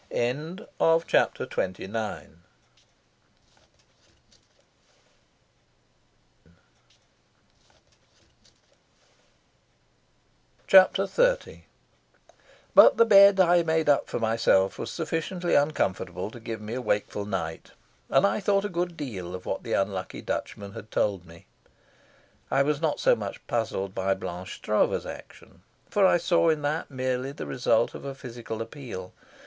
Chapter XXX But the bed I made up for myself was sufficiently uncomfortable to give me a wakeful night, and I thought a good deal of what the unlucky Dutchman had told me. I was not so much puzzled by Blanche Stroeve's action, for I saw in that merely the result of a physical appeal.